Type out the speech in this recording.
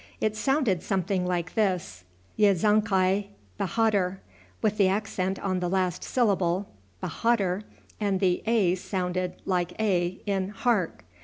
It sounded something like this, Yezonkai Behadr, with the accent on the last syllable, Behadr, and the a sounded like a in hark.